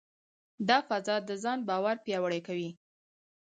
دا فضا د ځان باور پیاوړې کوي.